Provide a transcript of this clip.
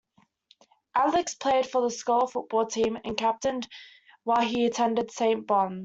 Alex played for the scholar football team and captained while he attended Saint Bons.